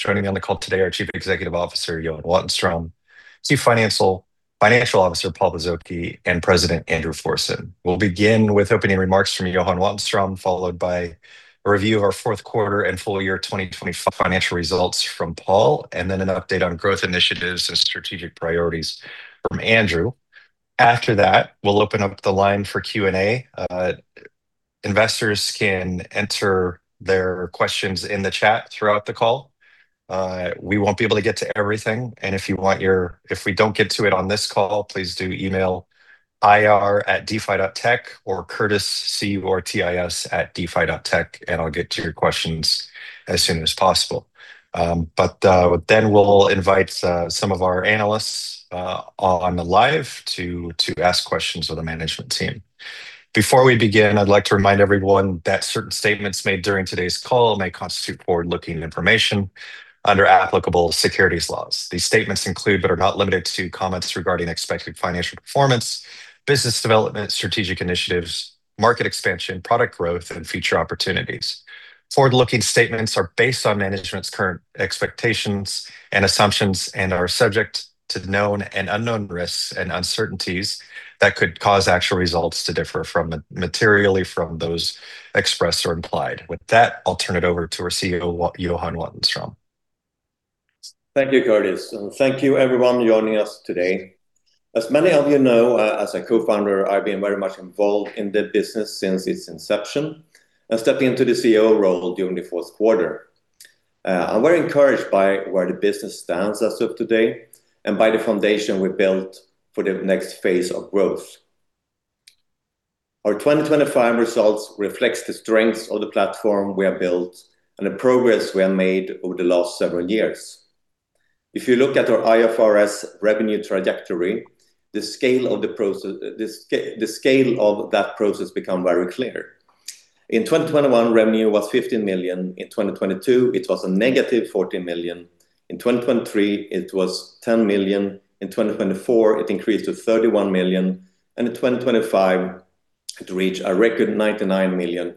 Joining me on the call today are Chief Executive Officer Johan Wattenström, Chief Financial Officer Paul Bozoki, and President Andrew Forson. We'll begin with opening remarks from Johan Wattenström, followed by a review of our fourth quarter and full year 2020 financial results from Paul, and then an update on growth initiatives and strategic priorities from Andrew. After that, we'll open up the line for Q&A. Investors can enter their questions in the chat throughout the call. We won't be able to get to everything, and if we don't get to it on this call, please do email ir@defi.tech or curtis@defi.tech and I'll get to your questions as soon as possible. We'll invite some of our analysts on the line to ask questions of the management team. Before we begin, I'd like to remind everyone that certain statements made during today's call may constitute forward-looking information under applicable securities laws. These statements include, but are not limited to, comments regarding expected financial performance, business development, strategic initiatives, market expansion, product growth and future opportunities. Forward-looking statements are based on management's current expectations and assumptions and are subject to the known and unknown risks and uncertainties that could cause actual results to differ materially from those expressed or implied. With that, I'll turn it over to our CEO, Johan Wattenström. Thank you, Curtis, and thank you everyone joining us today. As many of you know, as a co-founder, I've been very much involved in the business since its inception, and stepped into the CEO role during the fourth quarter. I'm very encouraged by where the business stands as of today and by the foundation we built for the next phase of growth. Our 2025 results reflects the strengths of the platform we have built and the progress we have made over the last several years. If you look at our IFRS revenue trajectory, the scale of that process become very clear. In 2021, revenue was 15 million. In 2022, it was a -14 million. In 2023, it was 10 million. In 2024, it increased to 31 million, and in 2025, it reached a record $99 million.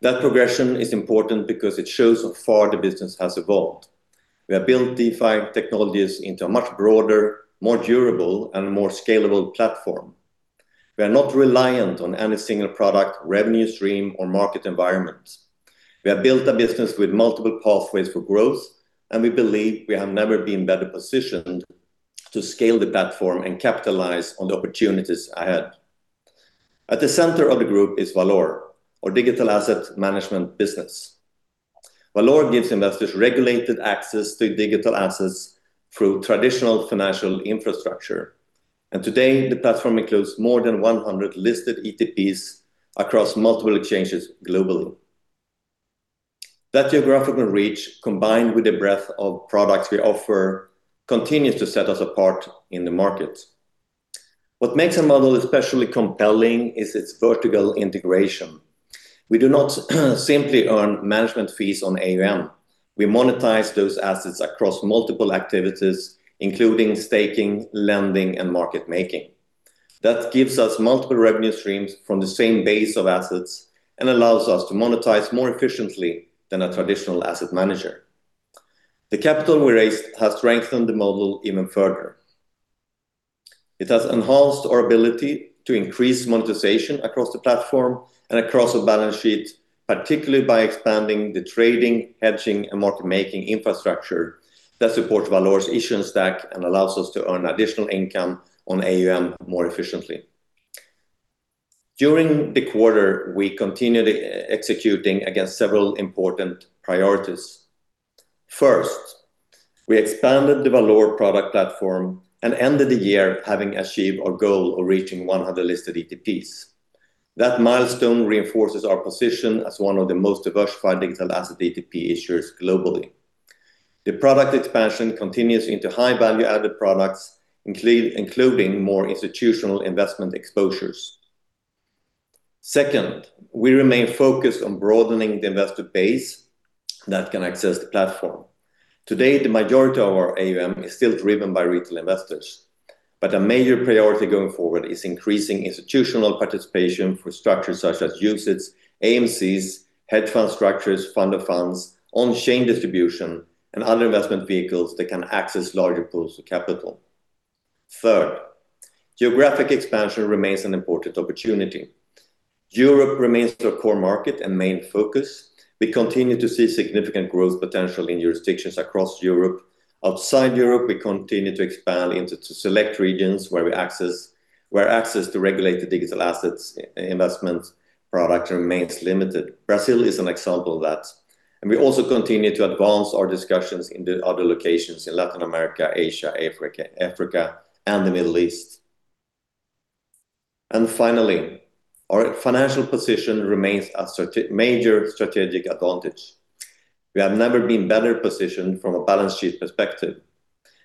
That progression is important because it shows how far the business has evolved. We have built DeFi Technologies into a much broader, more durable, and more scalable platform. We are not reliant on any single product, revenue stream, or market environment. We have built a business with multiple pathways for growth, and we believe we have never been better positioned to scale the platform and capitalize on the opportunities ahead. At the center of the group is Valour, our digital asset management business. Valour gives investors regulated access to digital assets through traditional financial infrastructure, and today the platform includes more than 100 listed ETPs across multiple exchanges globally. That geographical reach, combined with the breadth of products we offer, continues to set us apart in the market. What makes a model especially compelling is its vertical integration. We do not simply earn management fees on AUM. We monetize those assets across multiple activities, including staking, lending, and market making. That gives us multiple revenue streams from the same base of assets and allows us to monetize more efficiently than a traditional asset manager. The capital we raised has strengthened the model even further. It has enhanced our ability to increase monetization across the platform and across the balance sheet, particularly by expanding the trading, hedging, and market-making infrastructure that supports Valour's issuing stack and allows us to earn additional income on AUM more efficiently. During the quarter, we continued executing against several important priorities. First, we expanded the Valour product platform and ended the year having achieved our goal of reaching 100 listed ETPs. That milestone reinforces our position as one of the most diversified digital asset ETP issuers globally. The product expansion continues into high value-added products, including more institutional investment exposures. Second, we remain focused on broadening the investor base that can access the platform. Today, the majority of our AUM is still driven by retail investors, but a major priority going forward is increasing institutional participation for structures such as UCITS, AMCs, hedge fund structures, fund of funds, on-chain distribution, and other investment vehicles that can access larger pools of capital. Third, geographic expansion remains an important opportunity. Europe remains the core market and main focus. We continue to see significant growth potential in jurisdictions across Europe. Outside Europe, we continue to expand into select regions where access to regulated digital assets investment product remains limited. Brazil is an example of that. We also continue to advance our discussions in the other locations in Latin America, Asia, Africa, and the Middle East. Finally, our financial position remains a major strategic advantage. We have never been better positioned from a balance sheet perspective.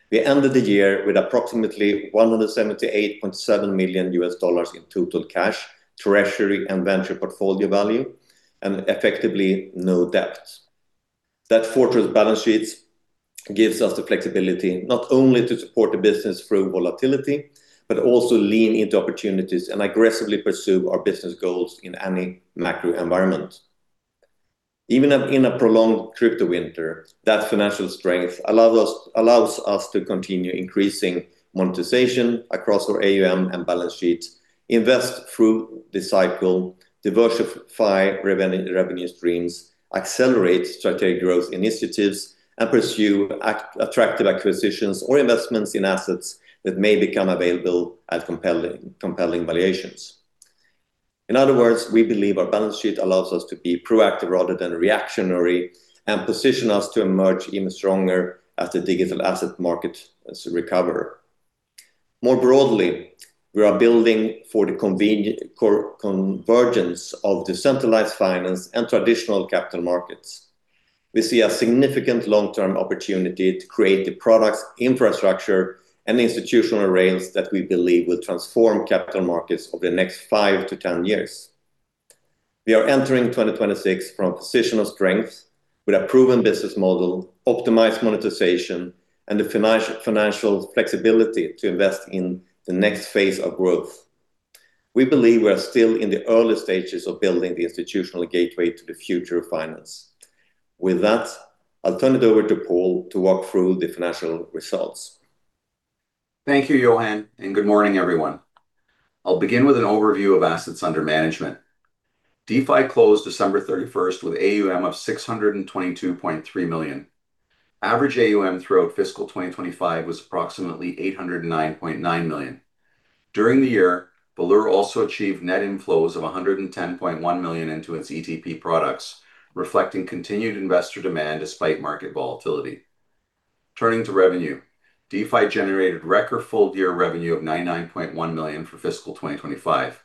We ended the year with approximately $178.7 million in total cash, treasury, and venture portfolio value, and effectively no debt. That fortress balance sheet gives us the flexibility not only to support the business through volatility, but also lean into opportunities and aggressively pursue our business goals in any macro environment. Even in a prolonged crypto winter, that financial strength allows us to continue increasing monetization across our AUM and balance sheet, invest through the cycle, diversify revenue streams, accelerate strategic growth initiatives, and pursue attractive acquisitions or investments in assets that may become available at compelling valuations. In other words, we believe our balance sheet allows us to be proactive rather than reactionary, and position us to emerge even stronger as the digital asset markets recover. More broadly, we are building for the convergence of decentralized finance and traditional capital markets. We see a significant long-term opportunity to create the products, infrastructure, and institutional rails that we believe will transform capital markets over the next five to 10 years. We are entering 2026 from a position of strength with a proven business model, optimized monetization, and the financial flexibility to invest in the next phase of growth. We believe we are still in the early stages of building the institutional gateway to the future of finance. With that, I'll turn it over to Paul to walk through the financial results. Thank you, Johan, and good morning, everyone. I'll begin with an overview of assets under management. DeFi closed December 31st with AUM of 622.3 million. Average AUM throughout fiscal 2025 was approximately 809.9 million. During the year, Valour also achieved net inflows of 110.1 million into its ETP products, reflecting continued investor demand despite market volatility. Turning to revenue, DeFi generated record full year revenue of 99.1 million for fiscal 2025.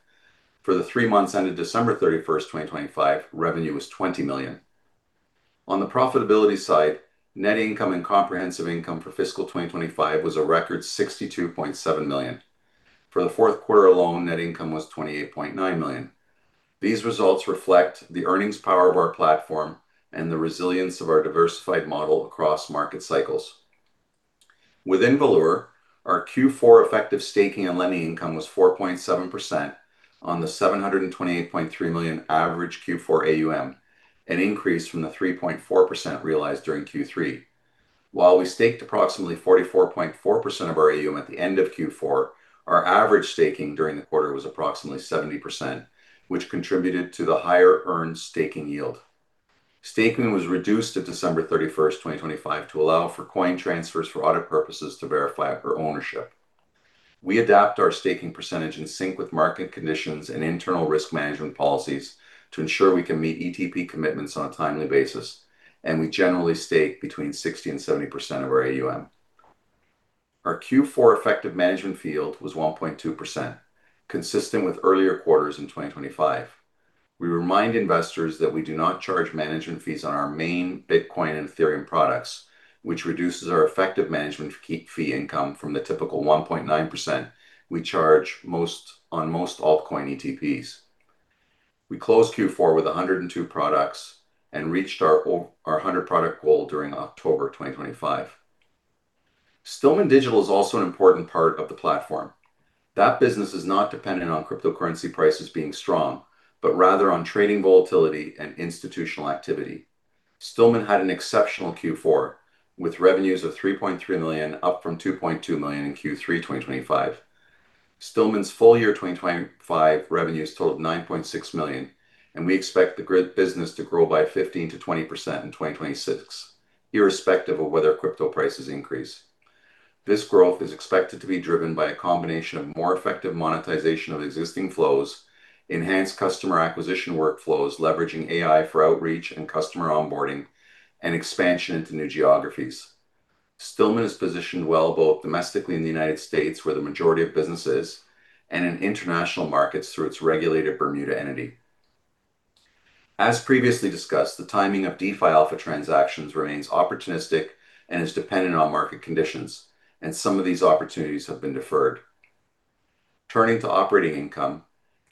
For the three months ended December 31st, 2025, revenue was 20 million. On the profitability side, net income and comprehensive income for fiscal 2025 was a record 62.7 million. For the fourth quarter alone, net income was 28.9 million. These results reflect the earnings power of our platform and the resilience of our diversified model across market cycles. Within Valour, our Q4 effective staking and lending income was 4.7% on the 728.3 million average Q4 AUM, an increase from the 3.4% realized during Q3. While we staked approximately 44.4% of our AUM at the end of Q4, our average staking during the quarter was approximately 70%, which contributed to the higher earned staking yield. Staking was reduced at December 31st, 2025, to allow for coin transfers for audit purposes to verify our ownership. We adapt our staking percentage in sync with market conditions and internal risk management policies to ensure we can meet ETP commitments on a timely basis, and we generally stake between 60% and 70% of our AUM. Our Q4 effective management fee yield was 1.2%, consistent with earlier quarters in 2025. We remind investors that we do not charge management fees on our main Bitcoin and Ethereum products, which reduces our effective management fee income from the typical 1.9% we charge on most altcoin ETPs. We closed Q4 with 102 products and reached our 100 product goal during October 2025. Stillman Digital is also an important part of the platform. That business is not dependent on cryptocurrency prices being strong, but rather on trading volatility and institutional activity. Stillman had an exceptional Q4 with revenues of 3.3 million, up from 2.2 million in Q3 2025. Stillman's full year 2025 revenues totaled 9.6 million, and we expect the business to grow by 15%-20% in 2026, irrespective of whether crypto prices increase. This growth is expected to be driven by a combination of more effective monetization of existing flows, enhanced customer acquisition workflows, leveraging AI for outreach and customer onboarding, and expansion into new geographies. Stillman Digital is positioned well both domestically in the United States, where the majority of business is, and in international markets through its regulated Bermuda entity. As previously discussed, the timing of DeFi Alpha transactions remains opportunistic and is dependent on market conditions, and some of these opportunities have been deferred. Turning to operating income,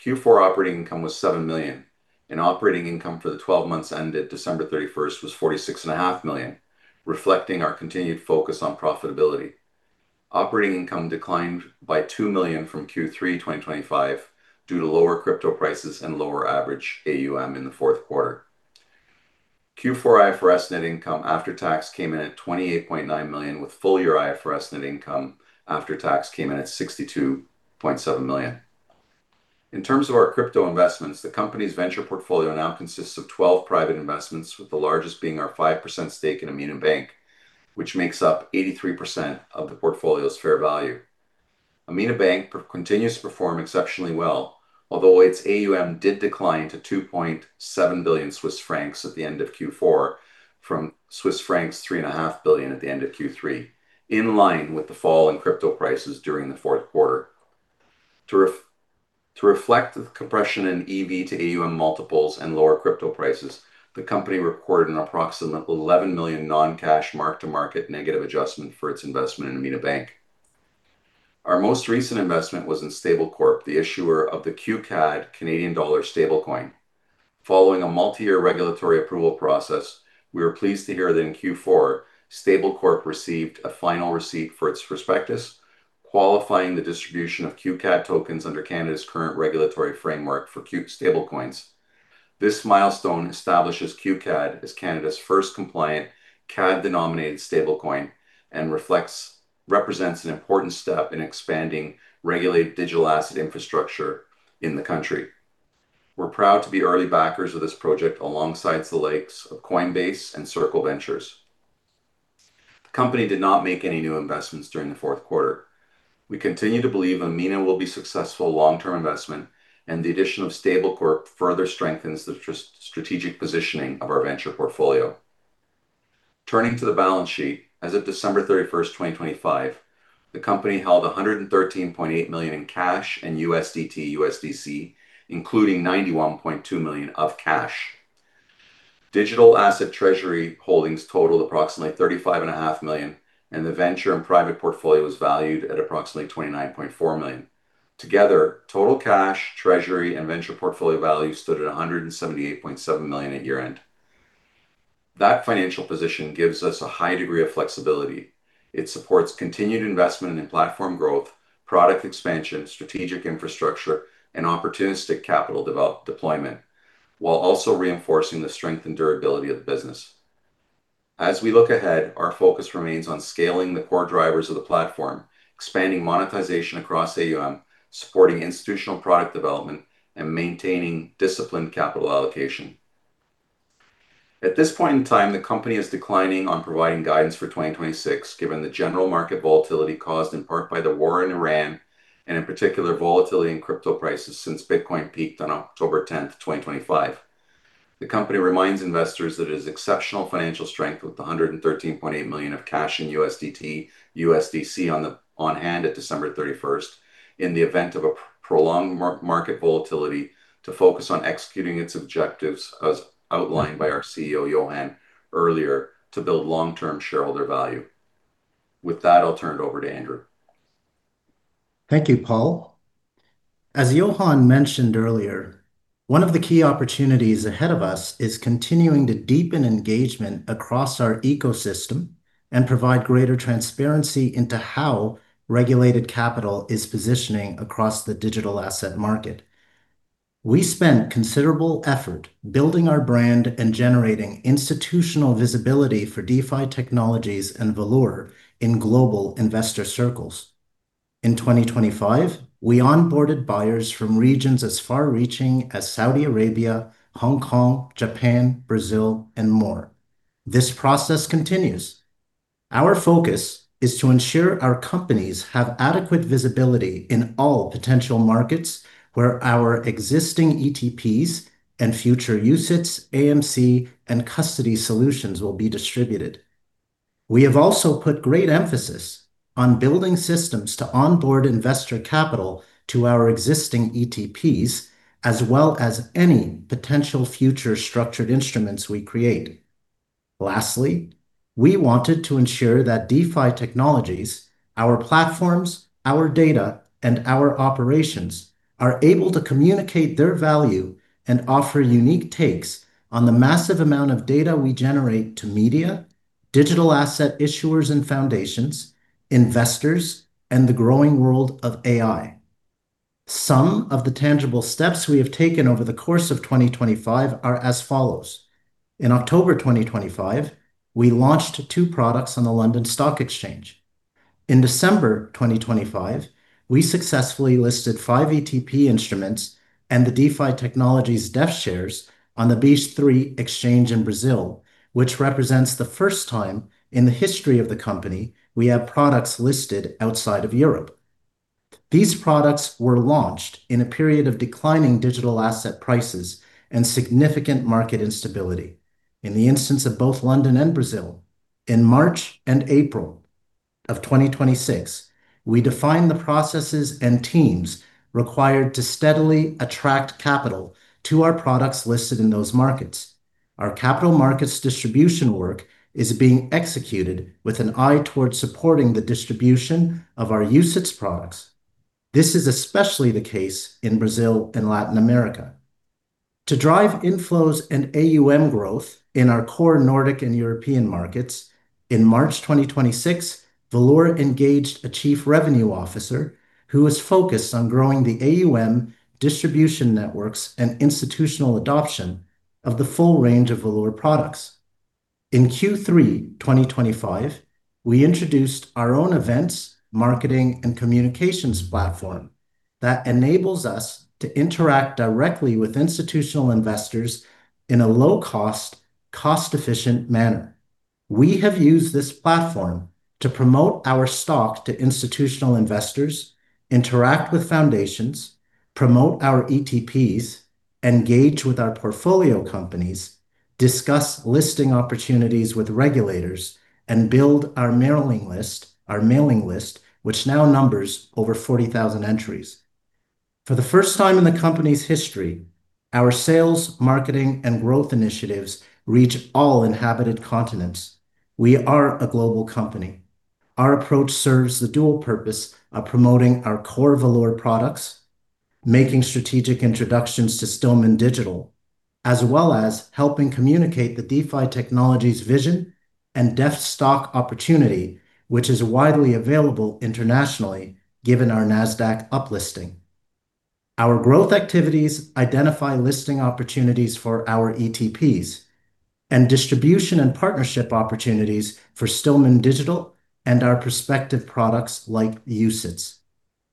Q4 operating income was 7 million, and operating income for the 12 months ended December 31st was 46.5 million, reflecting our continued focus on profitability. Operating income declined by 2 million from Q3 2025 due to lower crypto prices and lower average AUM in the fourth quarter. Q4 IFRS net income after tax came in at 28.9 million, with full year IFRS net income after tax came in at 62.7 million. In terms of our crypto investments, the company's venture portfolio now consists of 12 private investments, with the largest being our 5% stake in AMINA Bank, which makes up 83% of the portfolio's fair value. AMINA Bank continues to perform exceptionally well. Although its AUM did decline to 2.7 billion Swiss francs at the end of Q4 from Swiss francs 3.5 billion at the end of Q3, in line with the fall in crypto prices during the fourth quarter. To reflect the compression in EV to AUM multiples and lower crypto prices, the company recorded an approximately 11 million non-cash mark-to-market negative adjustment for its investment in AMINA Bank. Our most recent investment was in Stablecorp, the issuer of the QCAD Canadian-dollar stablecoin. Following a multi-year regulatory approval process, we were pleased to hear that in Q4, Stablecorp received a final receipt for its prospectus, qualifying the distribution of QCAD tokens under Canada's current regulatory framework for stablecoins. This milestone establishes QCAD as Canada's first compliant CAD-denominated stablecoin and represents an important step in expanding regulated digital asset infrastructure in the country. We're proud to be early backers of this project alongside the likes of Coinbase and Circle Ventures. The company did not make any new investments during the fourth quarter. We continue to believe Amina will be a successful long-term investment, and the addition of Stablecorp further strengthens the strategic positioning of our venture portfolio. Turning to the balance sheet, as of December 31st, 2025, the company held $113.8 million in cash and USDT/USDC, including $91.2 million of cash. Digital asset treasury holdings totaled approximately 35.5 million, and the venture and private portfolio was valued at approximately 29.4 million. Together, total cash, treasury, and venture portfolio value stood at 178.7 million at year-end. That financial position gives us a high degree of flexibility. It supports continued investment in platform growth, product expansion, strategic infrastructure, and opportunistic capital deployment, while also reinforcing the strength and durability of the business. As we look ahead, our focus remains on scaling the core drivers of the platform, expanding monetization across AUM, supporting institutional product development, and maintaining disciplined capital allocation. At this point in time, the company is declining to provide guidance for 2026, given the general market volatility caused in part by the war in Iran, and in particular, volatility in crypto prices since Bitcoin peaked on October 10th, 2025. The company reminds investors that its exceptional financial strength, with $113.8 million of cash in USDT/USDC on hand at December 31st, in the event of a prolonged market volatility, to focus on executing its objectives as outlined by our CEO, Johan, earlier to build long-term shareholder value. With that, I'll turn it over to Andrew. Thank you, Paul. As Johan mentioned earlier, one of the key opportunities ahead of us is continuing to deepen engagement across our ecosystem and provide greater transparency into how regulated capital is positioning across the digital asset market. We spent considerable effort building our brand and generating institutional visibility for DeFi Technologies and Valour in global investor circles. In 2025, we onboarded buyers from regions as far-reaching as Saudi Arabia, Hong Kong, Japan, Brazil, and more. This process continues. Our focus is to ensure our companies have adequate visibility in all potential markets where our existing ETPs and future UCITS, AMC, and custody solutions will be distributed. We have also put great emphasis on building systems to onboard investor capital to our existing ETPs, as well as any potential future structured instruments we create. Lastly, we wanted to ensure that DeFi Technologies, our platforms, our data, and our operations are able to communicate their value and offer unique takes on the massive amount of data we generate to media, digital asset issuers and foundations, investors, and the growing world of AI. Some of the tangible steps we have taken over the course of 2025 are as follows. In October 2025, we launched two products on the London Stock Exchange. In December 2025, we successfully listed five ETP instruments and the DeFi Technologies DEFT shares on the B3 exchange in Brazil, which represents the first time in the history of the company we have products listed outside of Europe. These products were launched in a period of declining digital asset prices and significant market instability. In the instance of both London and Brazil, in March and April of 2026, we defined the processes and teams required to steadily attract capital to our products listed in those markets. Our capital markets distribution work is being executed with an eye toward supporting the distribution of our UCITS products. This is especially the case in Brazil and Latin America. To drive inflows and AUM growth in our core Nordic and European markets, in March 2026, Valour engaged a chief revenue officer who is focused on growing the AUM distribution networks and institutional adoption of the full range of Valour products. In Q3 2025, we introduced our own events, marketing, and communications platform that enables us to interact directly with institutional investors in a low-cost, cost-efficient manner. We have used this platform to promote our stock to institutional investors, interact with foundations, promote our ETPs, engage with our portfolio companies, discuss listing opportunities with regulators, and build our mailing list, which now numbers over 40,000 entries. For the first time in the company's history, our sales, marketing, and growth initiatives reach all inhabited continents. We are a global company. Our approach serves the dual purpose of promoting our core Valour products, making strategic introductions to Stillman Digital, as well as helping communicate the DeFi Technologies vision and DEFT stock opportunity, which is widely available internationally given our Nasdaq uplisting. Our growth activities identify listing opportunities for our ETPs and distribution and partnership opportunities for Stillman Digital and our prospective products like UCITS.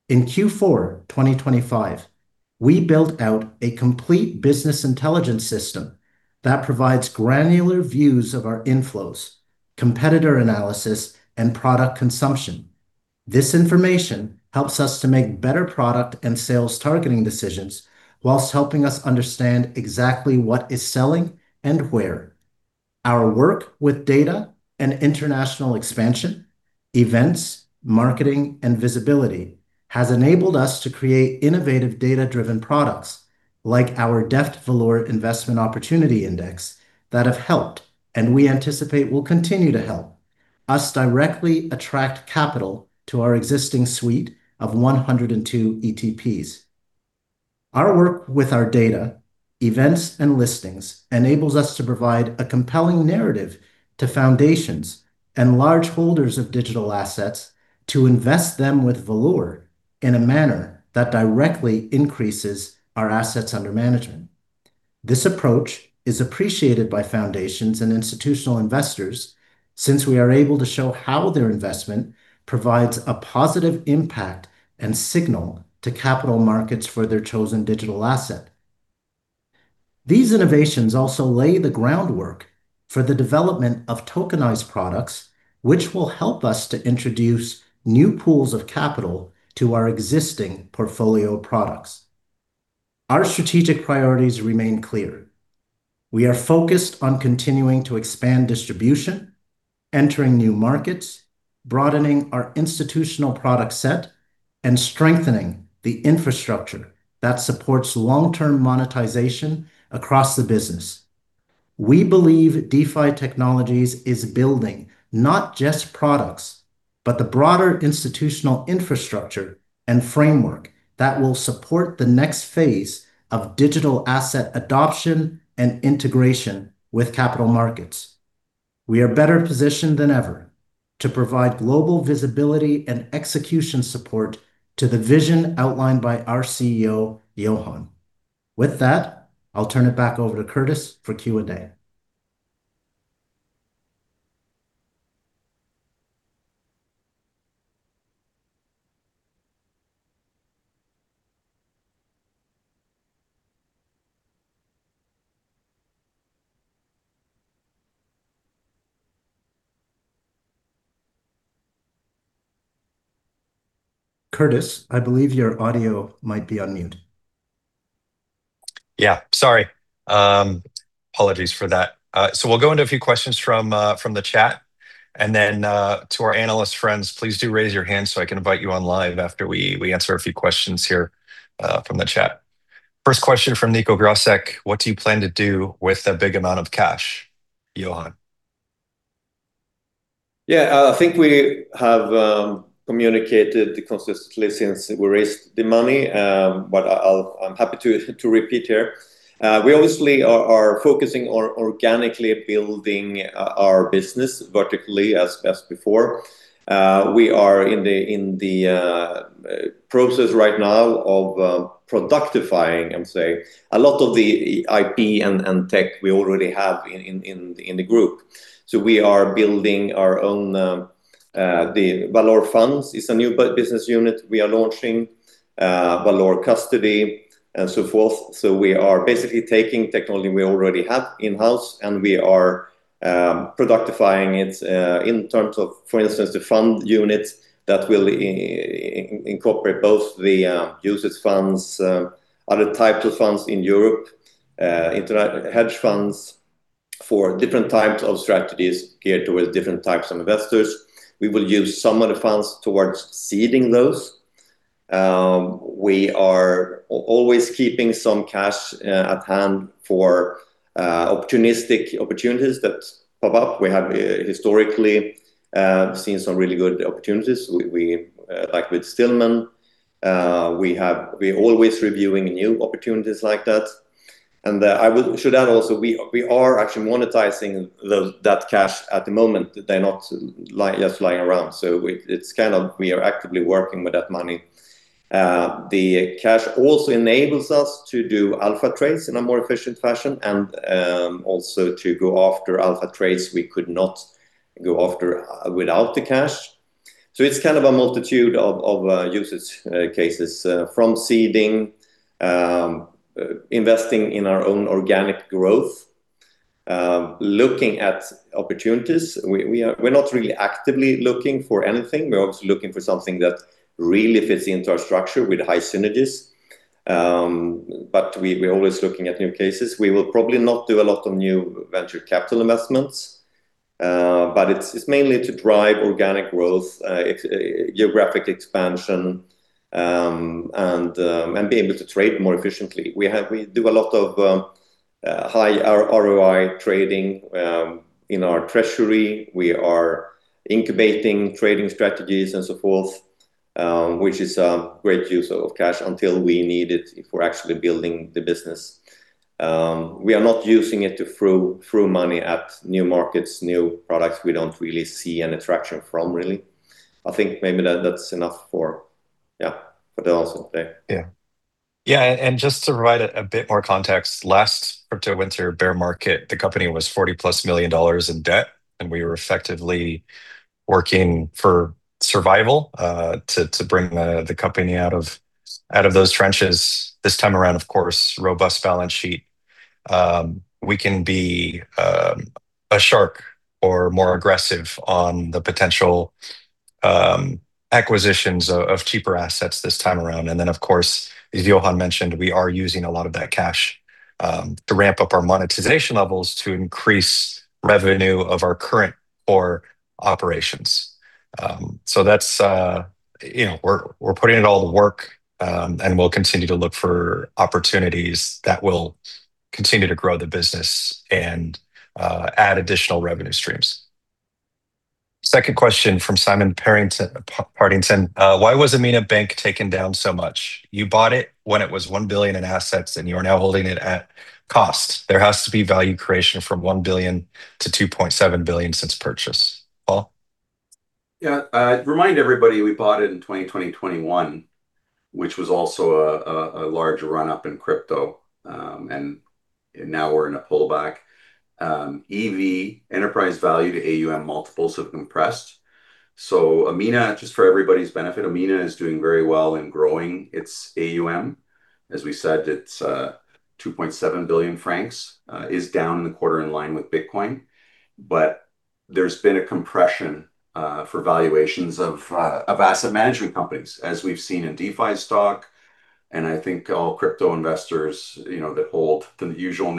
In Q4 2025, we built out a complete business intelligence system that provides granular views of our inflows, competitor analysis, and product consumption. This information helps us to make better product and sales targeting decisions while helping us understand exactly what is selling and where. Our work with data and international expansion, events, marketing, and visibility has enabled us to create innovative data-driven products like our DEFT Valour Investment Opportunity Index that have helped, and we anticipate will continue to help, us directly attract capital to our existing suite of 102 ETPs. Our work with our data, events, and listings enables us to provide a compelling narrative to foundations and large holders of digital assets to invest them with Valour in a manner that directly increases our assets under management. This approach is appreciated by foundations and institutional investors since we are able to show how their investment provides a positive impact and signal to capital markets for their chosen digital asset. These innovations also lay the groundwork for the development of tokenized products, which will help us to introduce new pools of capital to our existing portfolio products. Our strategic priorities remain clear. We are focused on continuing to expand distribution, entering new markets, broadening our institutional product set, and strengthening the infrastructure that supports long-term monetization across the business. We believe DeFi Technologies is building not just products, but the broader institutional infrastructure and framework that will support the next phase of digital asset adoption and integration with capital markets. We are better positioned than ever to provide global visibility and execution support to the vision outlined by our CEO, Johan. With that, I'll turn it back over to Curtis for Q&A. Curtis, I believe your audio might be on mute. Yeah, sorry. Apologies for that. We'll go into a few questions from the chat, and then, to our analyst friends, please do raise your hand so I can invite you on live after we answer a few questions here from the chat. First question from Nico Grasek, "What do you plan to do with the big amount of cash, Johan?" Yeah. I think we have communicated consistently since we raised the money, but I'm happy to repeat here. We obviously are focusing on organically building our business vertically as before. We are in the process right now of productifying, and say, a lot of the IP and tech we already have in the group. We are building our own, the Valour Funds is a new business unit we are launching, Valour Custody and so forth. We are basically taking technology we already have in-house, and we are productifying it in terms of, for instance, the fund units that will incorporate both the UCITS funds, other types of funds in Europe, hedge funds for different types of strategies geared towards different types of investors. We will use some of the funds toward seeding those. We are always keeping some cash at hand for opportunistic opportunities that pop up. We have historically seen some really good opportunities, like with Stillman. We're always reviewing new opportunities like that. I will show that also, we are actually monetizing that cash at the moment. They're not just lying around. We are actively working with that money. The cash also enables us to do alpha trades in a more efficient fashion and also to go after alpha trades we could not go after without the cash. It's kind of a multitude of use cases from seeding, investing in our own organic growth, looking at opportunities. We're not really actively looking for anything. We're obviously looking for something that really fits into our structure with high synergies, but we're always looking at new cases. We will probably not do a lot of new venture capital investments. It's mainly to drive organic growth, geographic expansion, and be able to trade more efficiently. We do a lot of high ROI trading in our treasury. We are incubating trading strategies and so forth, which is a great use of cash until we need it for actually building the business. We are not using it to throw money at new markets, new products we don't really see any traction from really. I think maybe that's enough. Yeah. For now, so. Yeah. Yeah, just to provide a bit more context, last crypto winter bear market, the company was $40+ million in debt, and we were effectively working for survival to bring the company out of those trenches. This time around, of course, robust balance sheet. We can be a shark or more aggressive on the potential acquisitions of cheaper assets this time around. Then, of course, as Johan mentioned, we are using a lot of that cash to ramp up our monetization levels to increase revenue of our current core operations. We're putting in all the work, and we'll continue to look for opportunities that will continue to grow the business and add additional revenue streams. Second question from Simon Partington. "Why was AMINA Bank taken down so much? You bought it when it was $1 billion in assets, and you are now holding it at cost. There has to be value creation from $1 billion-$2.7 billion since purchase." Paul? Yeah. Remind everybody, we bought it in 2020, 2021, which was also a large run-up in crypto, and now we're in a pullback. EV, enterprise value to AUM multiples have compressed. Just for everybody's benefit, AMINA is doing very well in growing its AUM. As we said, its 2.7 billion francs is down in the quarter in line with Bitcoin. There's been a compression for valuations of asset management companies, as we've seen in DeFi stock. I think all crypto investors that hold the usual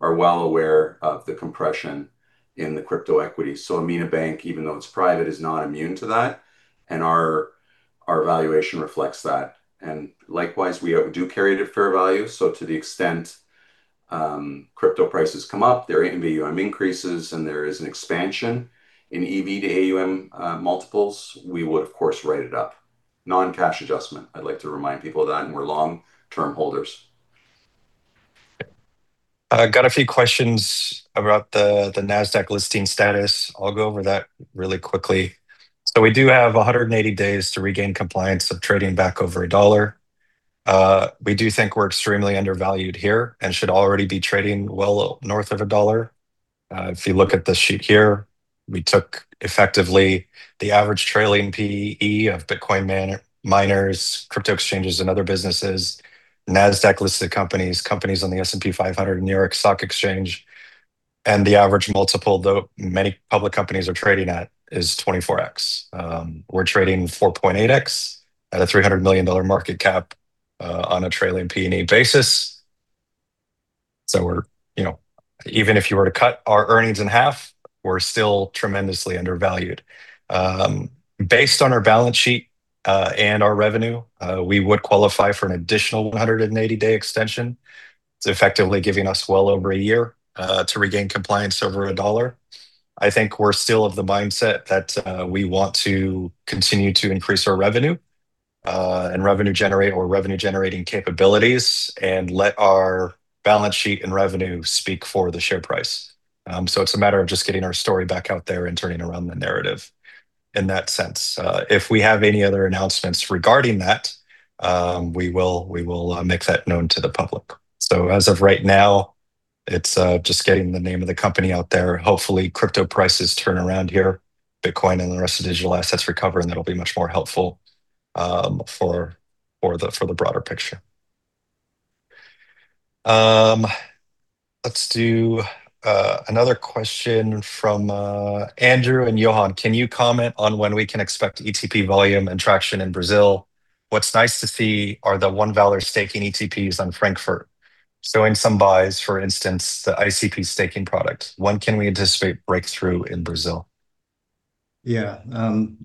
names are well aware of the compression in the crypto equity. AMINA Bank, even though it's private, is not immune to that, and our valuation reflects that. Likewise, we do carry it at fair value, so to the extent crypto prices come up, there AUM increases, and there is an expansion in EV to AUM multiples. We would, of course, write it up. Non-cash adjustment. I'd like to remind people of that, and we're long-term holders. Got a few questions about the Nasdaq listing status. I'll go over that really quickly. We do have 180 days to regain compliance of trading back over a dollar. We do think we're extremely undervalued here and should already be trading well north of a dollar. If you look at this sheet here, we took effectively the average trailing P/E of Bitcoin miners, crypto exchanges, and other businesses, Nasdaq-listed companies on the S&P 500 and New York Stock Exchange. The average multiple, though, many public companies are trading at is 24x. We're trading 4.8x at a $300 million market cap on a trailing P/E basis. Even if you were to cut our earnings in half, we're still tremendously undervalued. Based on our balance sheet and our revenue, we would qualify for an additional 180-day extension. It's effectively giving us well over a year to regain compliance over $1. I think we're still of the mindset that we want to continue to increase our revenue and revenue generating capabilities and let our balance sheet and revenue speak for the share price. It's a matter of just getting our story back out there and turning around the narrative in that sense. If we have any other announcements regarding that, we will make that known to the public. As of right now, it's just getting the name of the company out there. Hopefully, crypto prices turn around here, Bitcoin and the rest of digital assets recover, and that'll be much more helpful for the broader picture. Let's do another question from Andrew and Johan. "Can you comment on when we can expect ETP volume and traction in Brazil? What's nice to see are the 1Valour staking ETPs on Frankfurt showing some buys, for instance, the ICP staking product. When can we anticipate breakthrough in Brazil?" Yeah.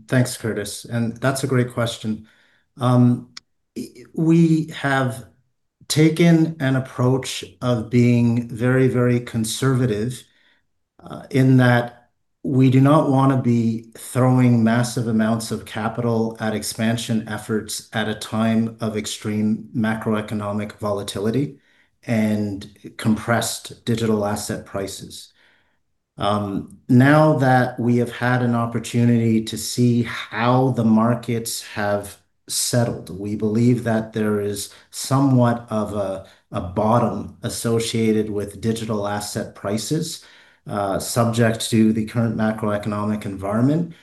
Thanks, Curtis, and that's a great question. We have taken an approach of being very conservative, in that we do not want to be throwing massive amounts of capital at expansion efforts at a time of extreme macroeconomic volatility and compressed digital asset prices. Now that we have had an opportunity to see how the markets have settled, we believe that there is somewhat of a bottom associated with digital asset prices, subject to the current macroeconomic environment.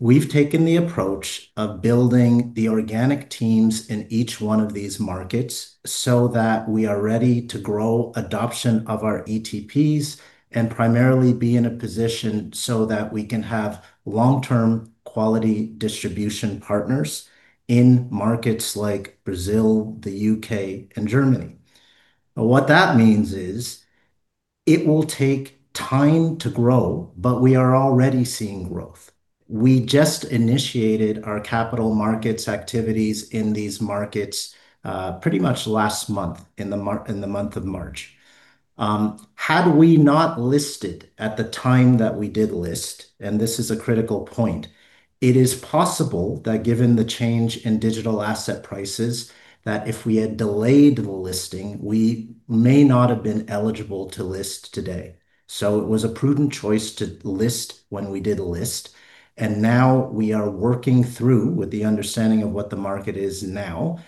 We've taken the approach of building the organic teams in each one of these markets so that we are ready to grow adoption of our ETPs and primarily be in a position so that we can have long-term quality distribution partners in markets like Brazil, the U.K., and Germany. What that means is. It will take time to grow, but we are already seeing growth. We just initiated our capital markets activities in these markets pretty much last month, in the month of March. Had we not listed at the time that we did list, and this is a critical point, it is possible that given the change in digital asset prices, that if we had delayed the listing, we may not have been eligible to list today. So it was a prudent choice to list when we did list, and now we are working through with the understanding of what the market is now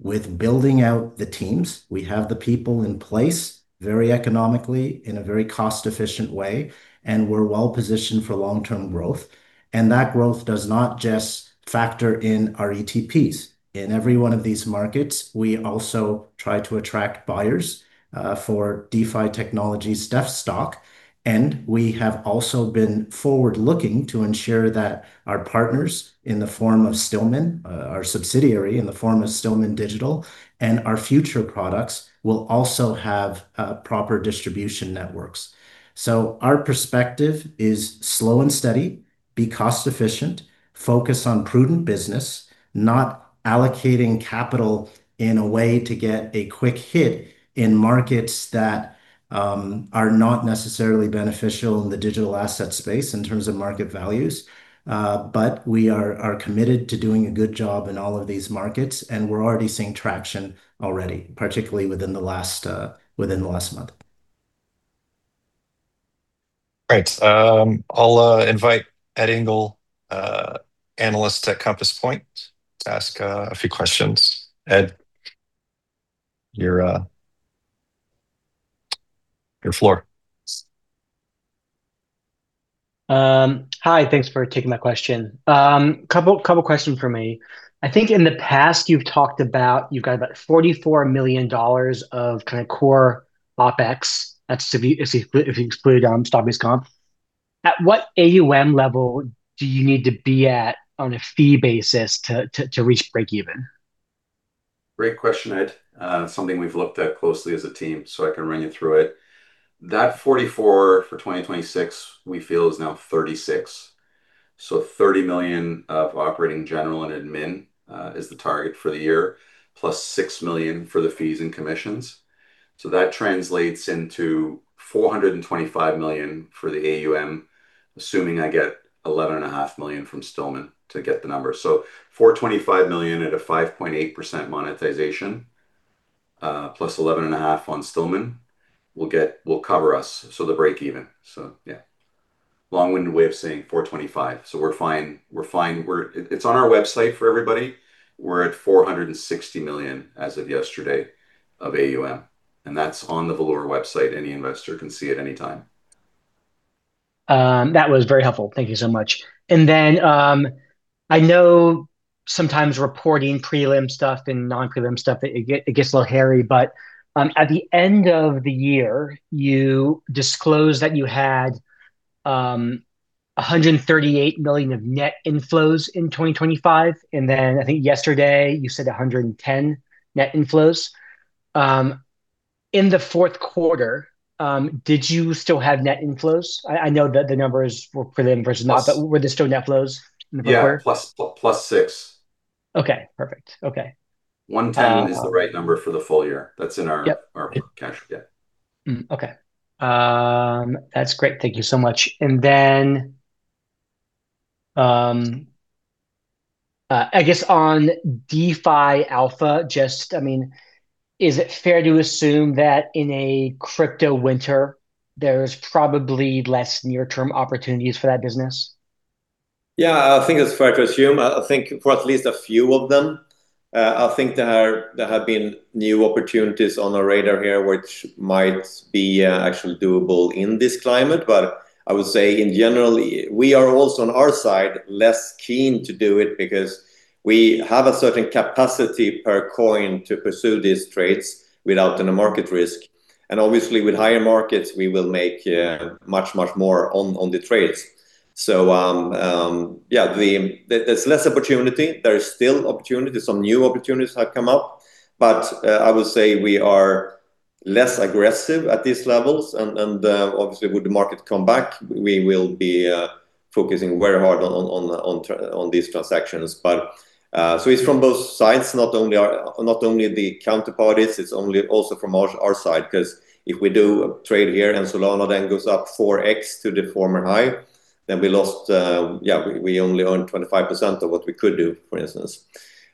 with building out the teams. We have the people in place very economically, in a very cost-efficient way, and we're well-positioned for long-term growth. That growth does not just factor in our ETPs. In every one of these markets, we also try to attract buyers for DeFi Technologies' DEFT stock, and we have also been forward-looking to ensure that our partners in the form of Stillman Digital, our subsidiary in the form of Stillman Digital, and our future products will also have proper distribution networks. Our perspective is slow and steady, be cost efficient, focus on prudent business, not allocating capital in a way to get a quick hit in markets that are not necessarily beneficial in the digital asset space in terms of market values. We are committed to doing a good job in all of these markets, and we're already seeing traction, particularly within the last month. Great. I'll invite Ed Engel, Analyst at Compass Point, to ask a few questions. Ed, your floor. Hi, thanks for taking my question. Couple question for me. I think in the past you've talked about, you've got about 44 million dollars of core OpEx, that's if you exclude Stablecorp. At what AUM level do you need to be at on a fee basis to reach break even? Great question, Ed. Something we've looked at closely as a team, so I can run you through it. That 44 million for 2026 we feel is now 36 million. 30 million of operating general and admin is the target for the year, plus 6 million for the fees and commissions. That translates into 425 million for the AUM, assuming I get 11.5 million from Stillman to get the numbers. 425 million at a 5.8% monetization, plus 11.5 on Stillman will cover us, so the break-even. Yeah. Long-winded way of saying 425. We're fine. It's on our website for everybody. We're at 460 million as of yesterday of AUM, and that's on the Valour website. Any investor can see at any time. That was very helpful. Thank you so much. I know sometimes reporting prelim stuff and non-prelim stuff, it gets a little hairy, but at the end of the year, you disclosed that you had 138 million of net inflows in 2025. I think yesterday you said 110 million net inflows. In the fourth quarter, did you still have net inflows? I know that the numbers were prelim versus not- Yes. Were there still net flows in the quarter? Yeah. Plus six. Okay, perfect. Okay. 110 is the right number for the full year. Yep. Our cash. Yeah. Okay. That's great. Thank you so much. I guess on DeFi Alpha, just is it fair to assume that in a crypto winter, there's probably less near-term opportunities for that business? Yeah, I think it's fair to assume, I think for at least a few of them. I think there have been new opportunities on our radar here, which might be actually doable in this climate. I would say in general, we are also on our side, less keen to do it because we have a certain capacity per coin to pursue these trades without any market risk. Obviously with higher markets, we will make much, much more on the trades. Yeah, there's less opportunity. There is still opportunity. Some new opportunities have come up. I would say we are less aggressive at these levels and, obviously would the market come back, we will be focusing very hard on these transactions. it's from both sides, not only the counterparties. It's also from our side, because if we do a trade here and Solana then goes up 4x to the former high, then we lost. Yeah, we only own 25% of what we could do, for instance.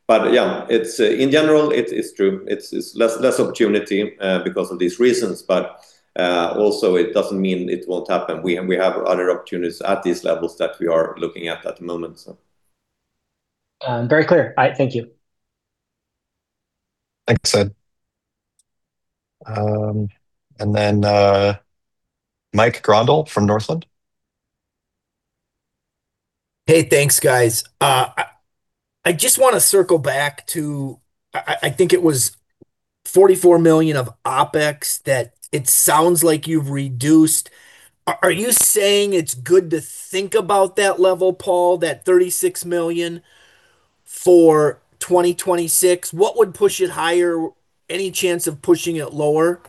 Yeah, in general, it is true. It's less opportunity because of these reasons, but also it doesn't mean it won't happen. We have other opportunities at these levels that we are looking at at the moment. Very clear. All right. Thank you. Thanks, Ed. Mike Grondahl from Northland. Hey, thanks guys. I just want to circle back to, I think it was 44 million of OpEx that it sounds like you've reduced. Are you saying it's good to think about that level, Paul, that 36 million for 2026. What would push it higher? Any chance of pushing it lower?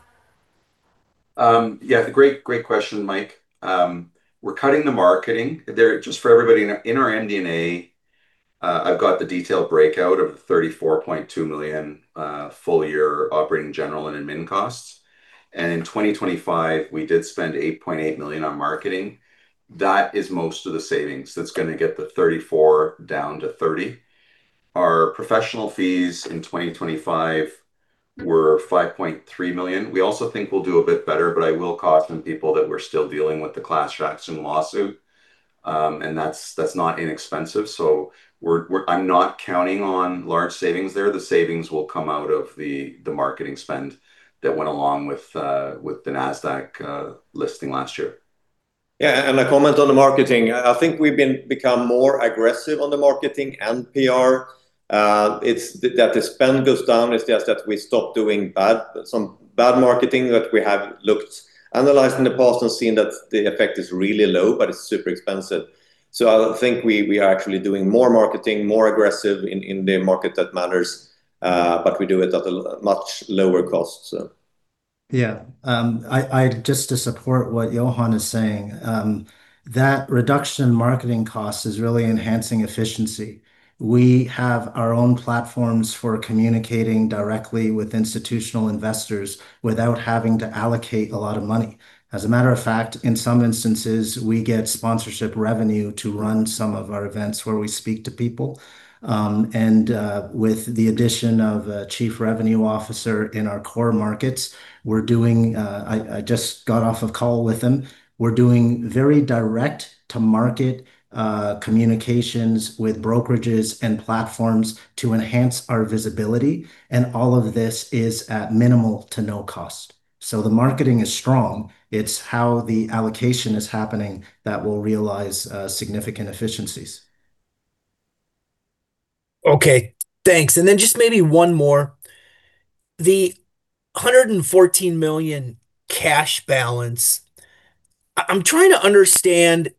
Yeah. Great question, Mike. We're cutting the marketing. Just for everybody, in our MD&A, I've got the detailed breakout of the 34.2 million full-year operating general and admin costs. In 2025, we did spend 8.8 million on marketing. That is most of the savings. That's going to get the 34 down to 30. Our professional fees in 2025 were 5.3 million. We also think we'll do a bit better, but I will caution people that we're still dealing with the class action lawsuit, and that's not inexpensive. I'm not counting on large savings there. The savings will come out of the marketing spend that went along with the Nasdaq listing last year. Yeah, a comment on the marketing. I think we've become more aggressive on the marketing and PR. It's that the spend goes down, it's just that we stopped doing some bad marketing that we have looked, analyzed in the past and seen that the effect is really low, but it's super expensive. I think we are actually doing more marketing, more aggressive in the market that matters, but we do it at a much lower cost. Yeah. Just to support what Johan is saying, that reduction in marketing costs is really enhancing efficiency. We have our own platforms for communicating directly with institutional investors without having to allocate a lot of money. As a matter of fact, in some instances, we get sponsorship revenue to run some of our events where we speak to people. And with the addition of a chief revenue officer in our core markets, I just got off a call with him. We're doing very direct-to-market communications with brokerages and platforms to enhance our visibility, and all of this is at minimal to no cost. The marketing is strong. It's how the allocation is happening that we'll realize significant efficiencies. Okay, thanks. Just maybe one more. The 114 million cash balance, I'm trying to understand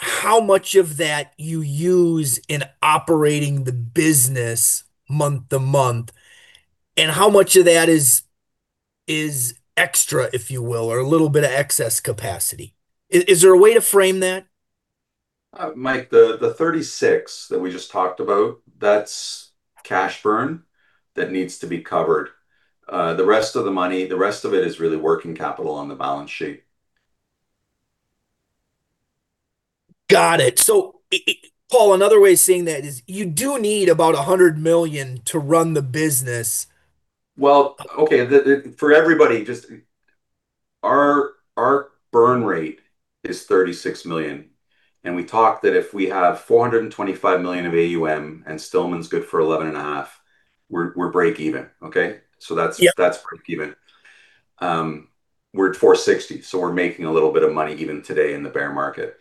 how much of that you use in operating the business month-to-month, and how much of that is extra, if you will, or a little bit of excess capacity. Is there a way to frame that? Mike, the 36 that we just talked about, that's cash burn that needs to be covered. The rest of the money, the rest of it is really working capital on the balance sheet. Got it. Paul, another way of saying that is you do need about 100 million to run the business. Well, okay. For everybody, just our burn rate is 36 million, and we talked that if we have 425 million of AUM, and Stillman Digital's good for 11.5, we're break even, okay? Yep. That's break even. We're at 460, so we're making a little bit of money even today in the bear market.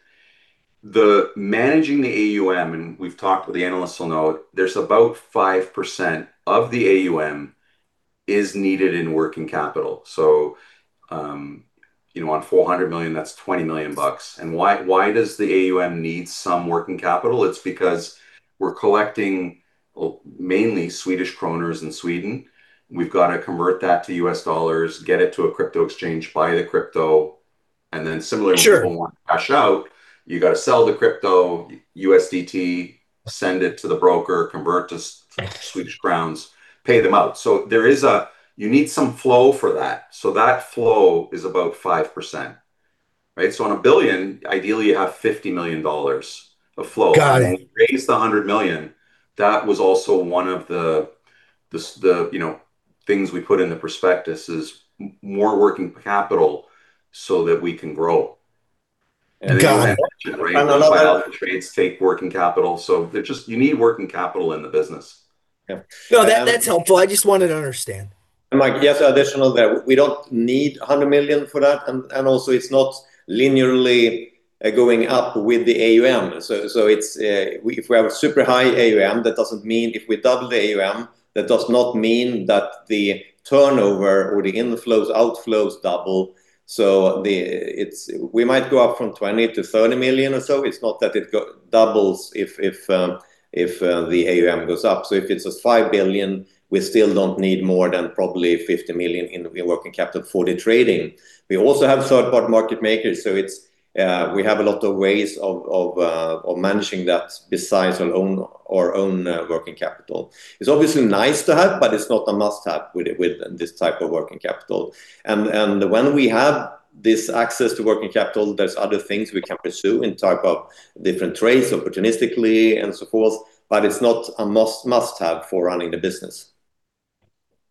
Managing the AUM, and we've talked with the analysts, they'll know, there's about 5% of the AUM is needed in working capital. On $400 million, that's $20 million. Why does the AUM need some working capital? It's because we're collecting mainly Swedish kronors in Sweden. We've got to convert that to U.S. dollars, get it to a crypto exchange, buy the crypto, and then similarly- Sure. People want to cash out, you got to sell the crypto, USDT, send it to the broker, convert to Swedish kronor, pay them out. You need some flow for that. That flow is about 5%, right? On a billion, ideally, you have $50 million of flow. Got it. When we raised the 100 million, that was also one of the things we put in the prospectus, is more working capital so that we can grow. Got it. I love that. You have to generate. All the trades take working capital. You need working capital in the business. Yep. No, that's helpful. I just wanted to understand. Mike, just additional that we don't need $100 million for that, and also it's not linearly going up with the AUM. If we have a super high AUM, that doesn't mean if we double the AUM, that does not mean that the turnover or the inflows, outflows double. We might go up from $20 million-$30 million or so. It's not that it doubles if the AUM goes up. If it's at $5 billion, we still don't need more than probably $50 million in working capital for the trading. We also have third-party market makers, so we have a lot of ways of managing that besides our own working capital. It's obviously nice to have, but it's not a must-have with this type of working capital. When we have this access to working capital, there's other things we can pursue in type of different trades, opportunistically and so forth, but it's not a must-have for running the business.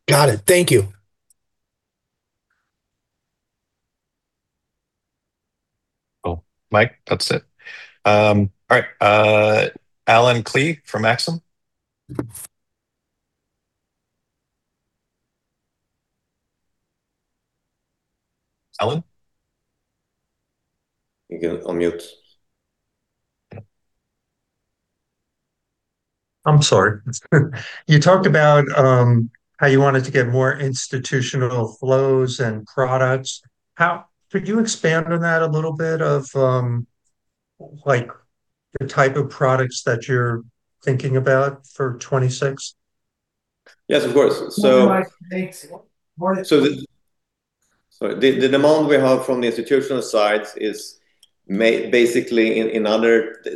Got it. Thank you. Cool. Mike, that's it. All right. Allen Klee from Maxim. Allen? You can unmute. I'm sorry. You talked about how you wanted to get more institutional flows and products. Could you expand on that a little bit, like the type of products that you're thinking about for 2026? Yes, of course. What am I thinking? The demand we have from the institutional side is basically,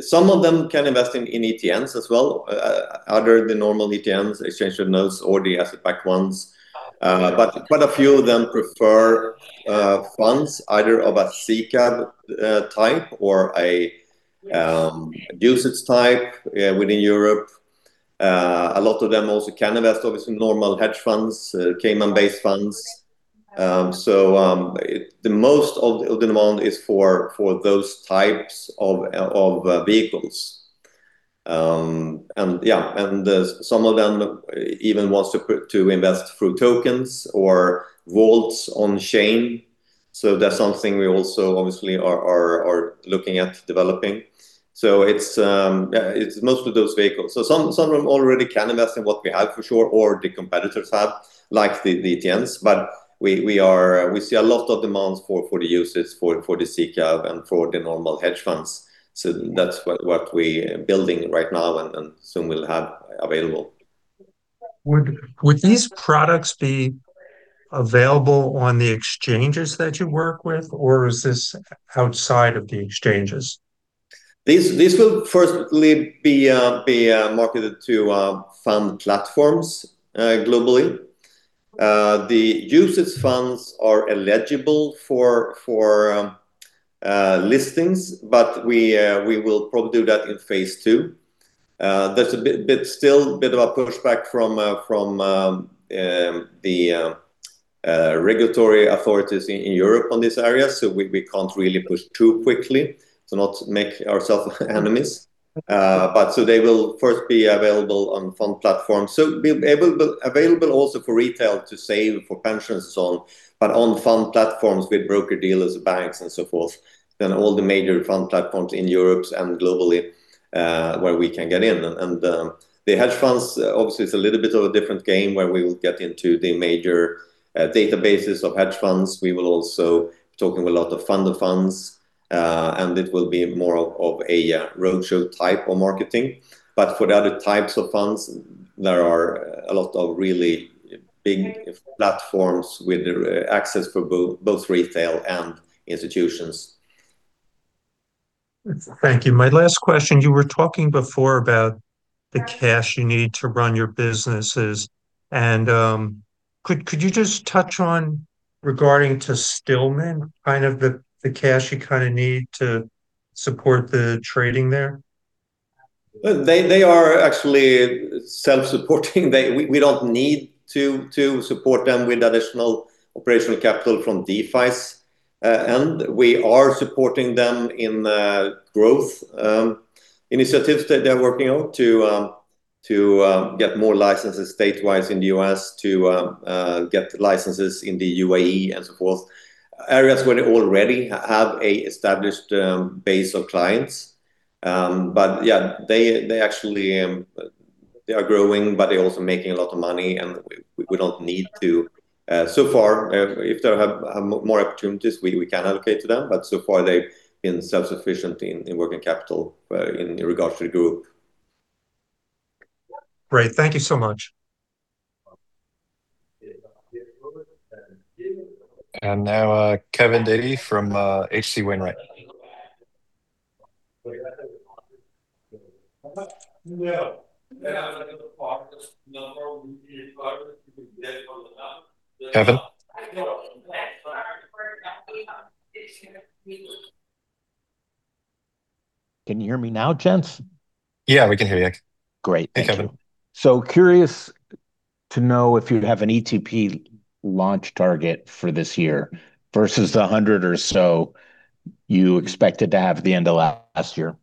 some of them can invest in ETNs as well, other than normal ETNs, exchange-traded notes or the asset-backed ones. Yeah. A few of them prefer funds, either of a SICAV type or a UCITS type within Europe. A lot of them also can invest, obviously, normal hedge funds, Cayman-based funds. The most of the demand is for those types of vehicles. Yeah, some of them even wants to invest through tokens or vaults on chain. That's something we also obviously are looking at developing. It's most of those vehicles. Some of them already can invest in what we have for sure, or the competitors have, like the ETNs, but we see a lot of demands for the UCITS, for the SICAV, and for the normal hedge funds. That's what we're building right now and soon we'll have available. Would these products be available on the exchanges that you work with, or is this outside of the exchanges? These will firstly be marketed to fund platforms globally. The UCITS funds are eligible for listings, but we will probably do that in phase two. There's still a bit of a pushback from the regulatory authorities in Europe on this area. We can't really push too quickly to not make ourselves enemies. They will first be available on fund platforms, be available also for retail to save for pensions and so on, but on fund platforms with broker-dealers, banks, and so forth, then all the major fund platforms in Europe and globally, where we can get in. The hedge funds, obviously, it's a little bit of a different game where we will get into the major databases of hedge funds. We will also be talking with a lot of fund of funds, and it will be more of a roadshow type of marketing. For the other types of funds, there are a lot of really big platforms with access for both retail and institutions. Thank you. My last question, you were talking before about the cash you need to run your businesses and could you just touch on regarding to Stillman, kind of the cash you need to support the trading there? They are actually self-supporting. We don't need to support them with additional operational capital from DeFi's end. We are supporting them in growth initiatives that they're working on to get more licenses state-wise in the U.S., to get licenses in the UAE and so forth, areas where they already have an established base of clients. Yeah, they are growing, but they're also making a lot of money, and we don't need to. So far, if they have more opportunities, we can allocate to them, but so far, they've been self-sufficient in working capital in regards to the group. Great. Thank you so much. Now, Kevin Dede from H.C. Wainwright. Kevin? Can you hear me now, gents? Yeah, we can hear you. Great. Thank you. Hey, Kevin. Curious to know if you have an ETP launch target for this year versus the 100 or so you expected to have at the end of last year?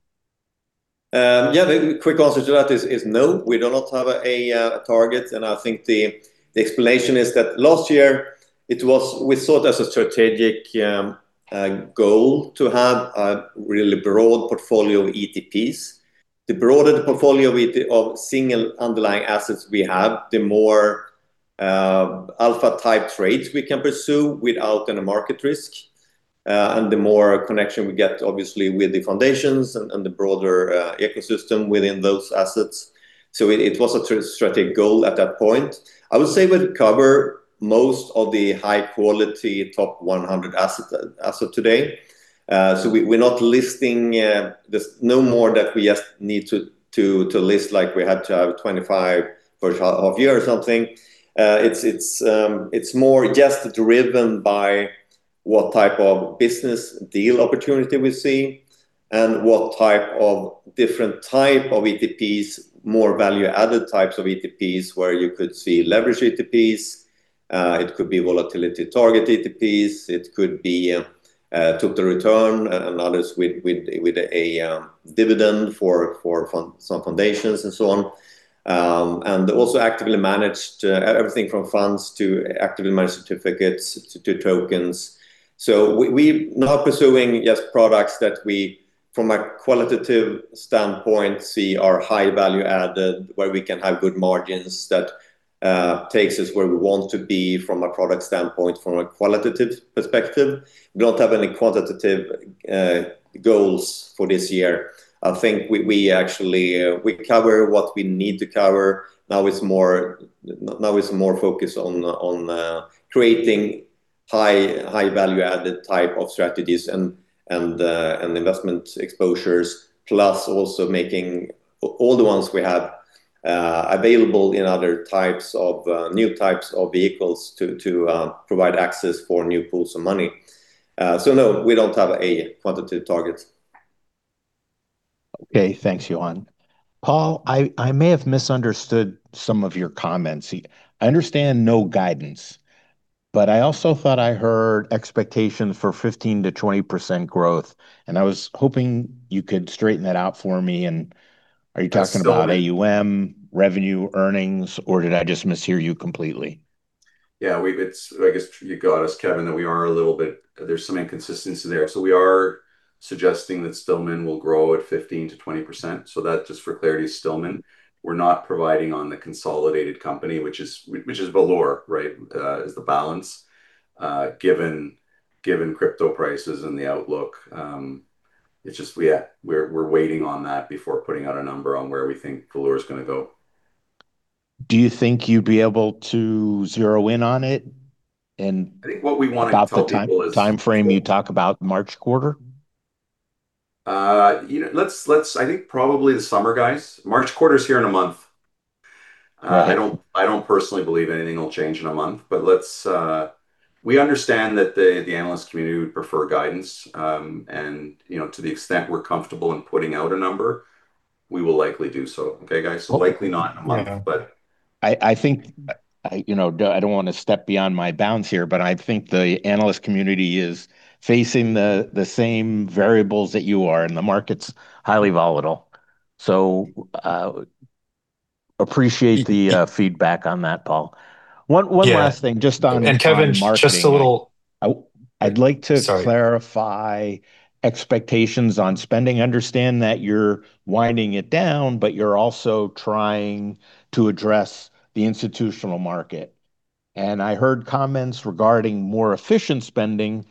Yeah. The quick answer to that is no, we do not have a target. I think the explanation is that last year we thought as a strategic goal to have a really broad portfolio of ETPs. The broader the portfolio of single underlying assets we have, the more alpha-type trades we can pursue without any market risk. The more connection we get, obviously, with the foundations and the broader ecosystem within those assets. It was a strategic goal at that point. I would say we'll cover most of the high-quality top 100 assets as of today. We're not listing, there's no more that we just need to list, like we had to have 25 for half year or something. It's more just driven by what type of business deal opportunity we see and what type of different type of ETPs, more value-added types of ETPs, where you could see leverage ETPs. It could be volatility target ETPs, it could be total return and others with a dividend for some foundations and so on. Also actively managed, everything from funds to actively managed certificates to tokens. We're now pursuing just products that we see, from a qualitative standpoint, as high value added where we can have good margins that takes us where we want to be from a product standpoint, from a qualitative perspective. We don't have any quantitative goals for this year. I think we cover what we need to cover. Now it's more focus on creating high value added type of strategies and investment exposures plus also making all the ones we have available in other new types of vehicles to provide access for new pools of money. No, we don't have a quantitative target. Okay, thanks, Johan. Paul, I may have misunderstood some of your comments. I understand no guidance, but I also thought I heard expectations for 15%-20% growth, and I was hoping you could straighten that out for me. Are you talking about AUM, revenue, earnings, or did I just mishear you completely? Yeah. I guess you got us, Kevin, that we are a little bit. There's some inconsistency there. We are suggesting that Stillman will grow at 15%-20%. That, just for clarity, is Stillman. We're not providing on the consolidated company, which is Valour, right? It's the balance, given crypto prices and the outlook. We're waiting on that before putting out a number on where we think Valour is going to go. Do you think you'd be able to zero in on it? I think what we want to tell people is. About the timeframe you talk about March quarter? I think probably the summer, guys. March quarter's here in a month. Right. I don't personally believe anything will change in a month. We understand that the analyst community would prefer guidance. To the extent we're comfortable in putting out a number, we will likely do so. Okay, guys? Likely not in a month, but. I don't want to step beyond my bounds here, but I think the analyst community is facing the same variables that you are, and the market's highly volatile. Appreciate the feedback on that, Paul. Yeah. One last thing, just on marketing. Kevin, just a little- I'd like to- Sorry. Clarify expectations on spending. Understand that you're winding it down, but you're also trying to address the institutional market. I heard comments regarding more efficient spending,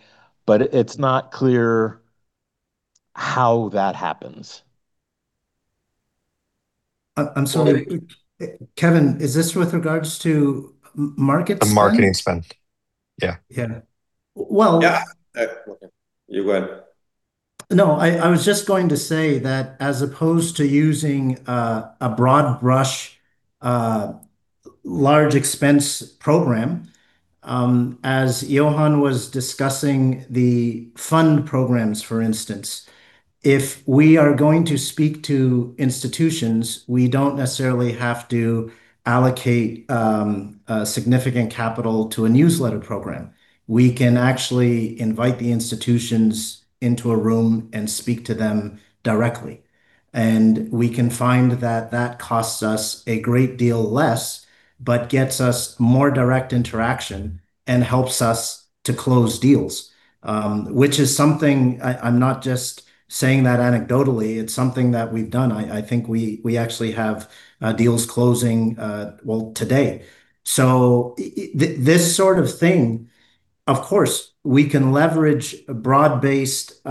but it's not clear how that happens. I'm sorry. Kevin, is this with regards to market spend? The marketing spend. Yeah. Yeah. Well- Yeah. You go ahead. No, I was just going to say that as opposed to using a broad brush large expense program, as Johan was discussing the fund programs, for instance, if we are going to speak to institutions, we don't necessarily have to allocate significant capital to a newsletter program. We can actually invite the institutions into a room and speak to them directly. We can find that that costs us a great deal less, but gets us more direct interaction and helps us to close deals, which is something, I'm not just saying that anecdotally, it's something that we've done. I think we actually have deals closing, well, today. This sort of thing, of course, we can leverage broad-based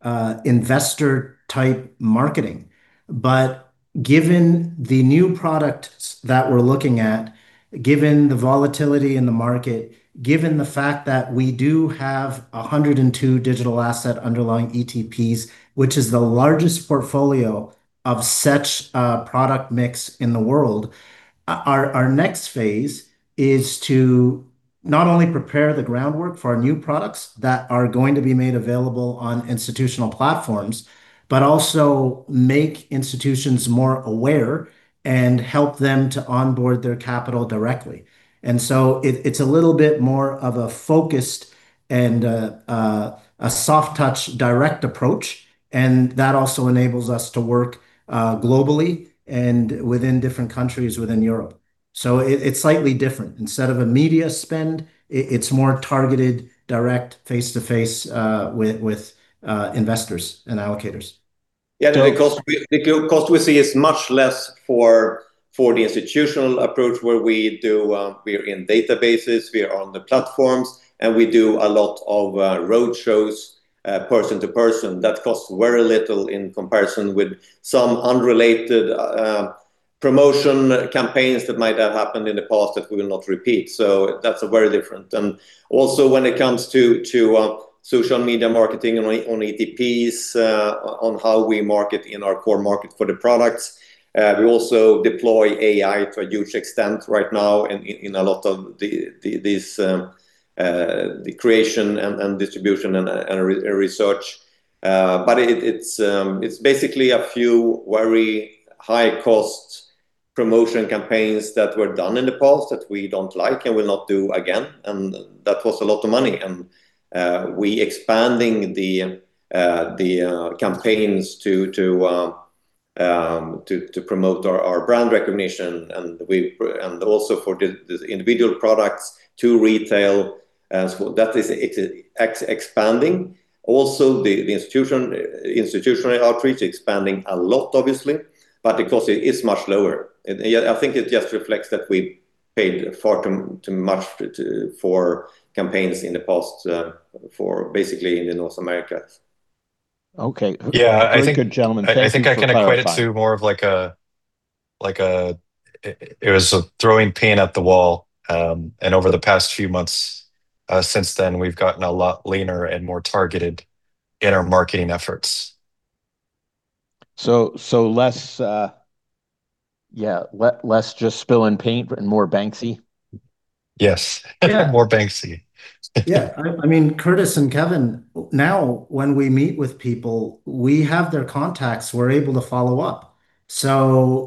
investor type marketing, but given the new products that we're looking at, given the volatility in the market, given the fact that we do have 102 digital asset underlying ETPs, which is the largest portfolio of such a product mix in the world, our next phase is to not only prepare the groundwork for our new products that are going to be made available on institutional platforms, but also make institutions more aware and help them to onboard their capital directly. It's a little bit more of a focused and a soft touch direct approach, and that also enables us to work globally and within different countries within Europe. It's slightly different. Instead of a media spend, it's more targeted, direct, face-to-face with investors and allocators. Yeah. The cost we see is much less for the institutional approach where we're in databases, we are on the platforms, and we do a lot of road shows person to person. That costs very little in comparison with some unrelated promotion campaigns that might have happened in the past that we will not repeat. That's very different. When it comes to social media marketing on ETPs, on how we market in our core markets for the products, we also deploy AI to a huge extent right now in a lot of these, the creation and distribution and research. It's basically a few very high-cost promotion campaigns that were done in the past that we don't like and will not do again. That cost a lot of money. We expanding the campaigns to promote our brand recognition and also for the individual products to retail as well. That is expanding. Also, the institutional outreach expanding a lot, obviously, but the cost is much lower. I think it just reflects that we paid far too much for campaigns in the past for basically in North America. Okay. Yeah, I think. Very good, gentlemen. Thank you for clarifying.... I think I can equate it to more of like a, it was throwing paint at the wall. Over the past few months since then, we've gotten a lot leaner and more targeted in our marketing efforts. Less just spilling paint and more Banksy. Yes. More Banksy. Yeah. Curtis and Kevin, now when we meet with people, we have their contacts, we're able to follow up.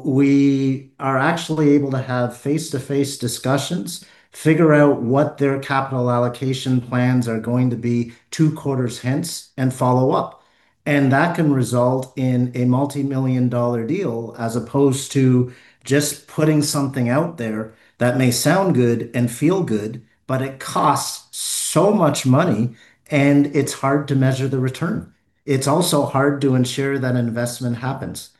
We are actually able to have face-to-face discussions, figure out what their capital allocation plans are going to be two quarters hence, and follow up. That can result in a multimillion-dollar deal as opposed to just putting something out there that may sound good and feel good, but it costs so much money and it's hard to measure the return. It's also hard to ensure that investment happens.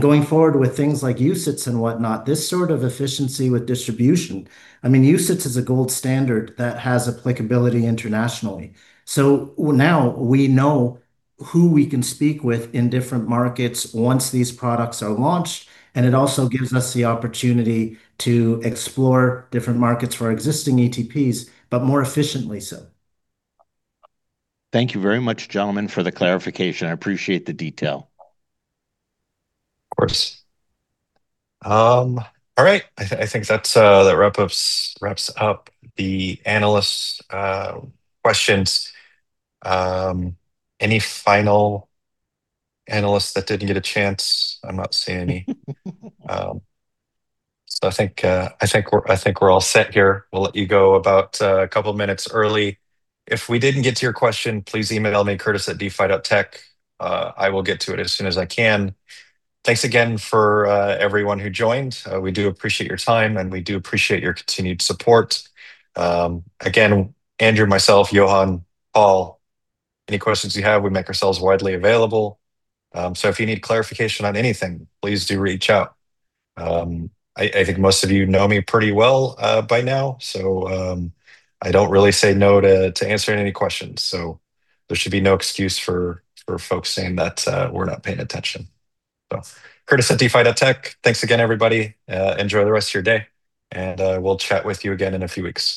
Going forward with things like UCITS and whatnot, this sort of efficiency with distribution, UCITS is a gold standard that has applicability internationally. Now we know who we can speak with in different markets once these products are launched, and it also gives us the opportunity to explore different markets for our existing ETPs, but more efficiently so. Thank you very much, gentlemen, for the clarification. I appreciate the detail. Of course. All right. I think that wraps up the analyst questions. Any final analysts that didn't get a chance? I'm not seeing any. I think we're all set here. We'll let you go about a couple minutes early. If we didn't get to your question, please email me, curtis@defi.tech. I will get to it as soon as I can. Thanks again for everyone who joined. We do appreciate your time, and we do appreciate your continued support. Again, Andrew, myself, Johan, Paul, any questions you have, we make ourselves widely available. If you need clarification on anything, please do reach out. I think most of you know me pretty well by now, so I don't really say no to answering any questions. There should be no excuse for folks saying that we're not paying attention. Curtis at defi.tech. Thanks again, everybody. Enjoy the rest of your day, and we'll chat with you again in a few weeks.